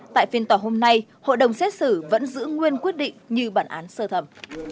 tại phiên tòa hôm nay hội đồng xét xử vẫn giữ nguyên quyết định như bản án sơ thẩm